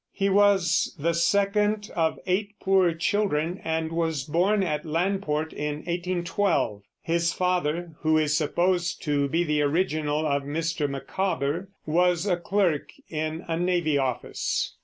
He was the second of eight poor children, and was born at Landport in 1812. His father, who is supposed to be the original of Mr. Micawber, was a clerk in a navy office.